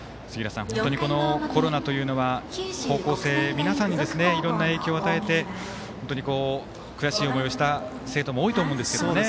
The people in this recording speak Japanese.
本当にコロナというのは高校生皆さんにいろんな影響を与えて悔しい思いもした生徒も多いと思うんですけどね。